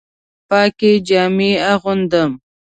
پاکې جامې اغوندم